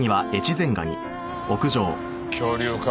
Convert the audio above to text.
恐竜か。